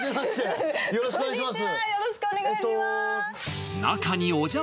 よろしくお願いします